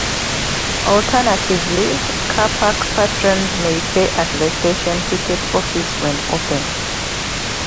Alternatively, car park patrons may pay at the station ticket office when open.